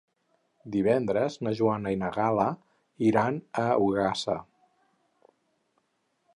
Divendres na Joana i na Gal·la iran a Ogassa.